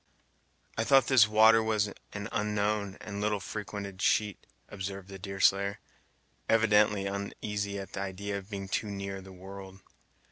"I thought this water an unknown and little frequented sheet," observed the Deerslayer, evidently uneasy at the idea of being too near the world.